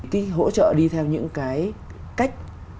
cái hỗ trợ đi theo những cái cách